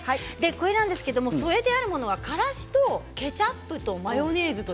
これは添えてあるものがからしとケチャップとマヨネーズ。